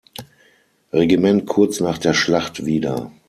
Regiment kurz nach der Schlacht wieder.